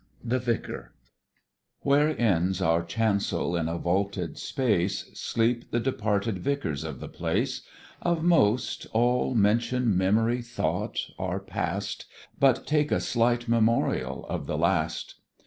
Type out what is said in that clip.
THE VICAR. WHERE ends our chancel in a vaulted space, Sleep the departed Vicars of the place; Of most, all mention, memory, thought are past But take a slight memorial of the last.